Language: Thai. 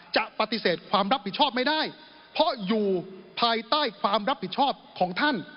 จะปฏิเสธความรับผิดชอบไม่ได้เพราะอยู่ภายใต้ความรับผิดชอบของท่าน